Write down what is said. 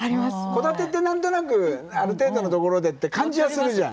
戸建てって何となくある程度のところでって感じがするじゃん。